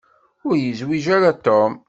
Ur yezwiǧ ara Tom.